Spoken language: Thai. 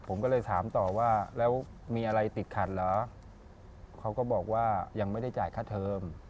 ผมก็เลยถามต่อว่าแล้วมีอะไรติดขัดเหรอเขาก็บอกว่ายังไม่ได้จ่ายค่าเทอม